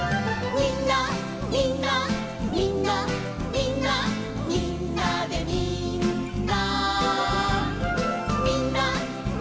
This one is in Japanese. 「みんなみんなみんなみんなみんなみんな」